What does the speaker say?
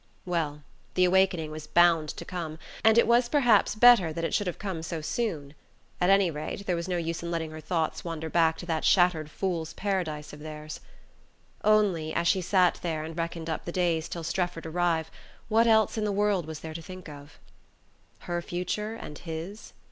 Well, the awakening was bound to come, and it was perhaps better that it should have come so soon. At any rate there was no use in letting her thoughts wander back to that shattered fool's paradise of theirs. Only, as she sat there and reckoned up the days till Strefford arrived, what else in the world was there to think of? Her future and his?